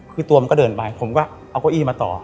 คือตัวมันก็เดินไปผมก็เอาเก้าอี้มาต่อ